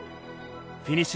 フィニッシュ